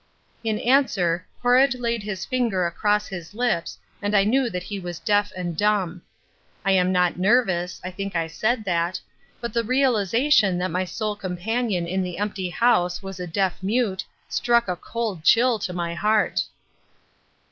In answer Horrod laid his finger across his lips and I knew that he was deaf and dumb. I am not nervous (I think I said that), but the realization that my sole companion in the empty house was a deaf mute struck a cold chill to my heart.